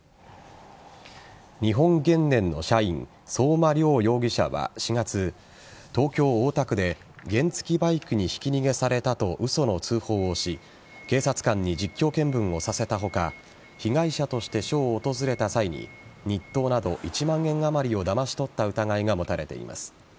日本原燃の社員相馬諒容疑者は４月東京・大田区で原付バイクにひき逃げされたと嘘の通報をし警察官に実況見分をさせた他被害者として署を訪れた際に日当など１万円あまりをだまし取った疑いが持たれています。